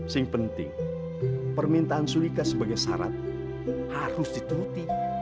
sing penting permintaan sulika sebagai syarat harus dituruti